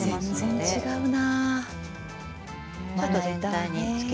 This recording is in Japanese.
全然違うな。